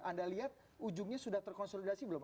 anda lihat ujungnya sudah terkonsolidasi belum